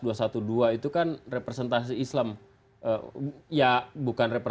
dan itu ada numerasiwaya burger